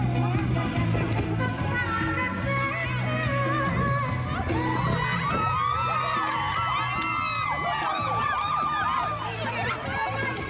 ยันตั้งเวลานี้แม่งกายิงเว้ย